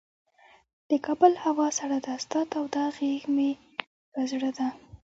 د کابل هوا سړه ده، ستا توده غیږ مه په زړه ده